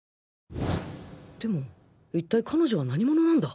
でも一体彼女は何者なんだ？